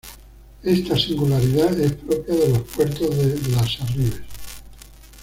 Esta singularidad es propia de los puertos de Las Arribes.